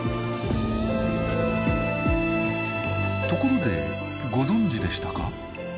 ところでご存じでしたか？